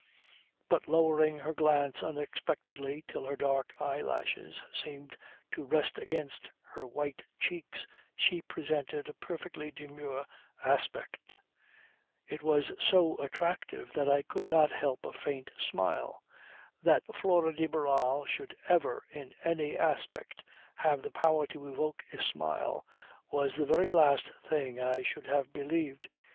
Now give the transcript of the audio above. But lowering her glance unexpectedly till her dark eye lashes seemed to rest against her white cheeks she presented a perfectly demure aspect. It was so attractive that I could not help a faint smile. That Flora de Barral should ever, in any aspect, have the power to evoke a smile was the very last thing I should have believed.